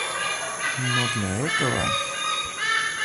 Но для этого...